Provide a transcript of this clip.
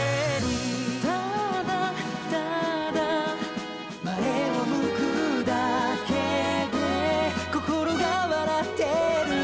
「ただ、ただ」「前を向くだけで心が笑ってる」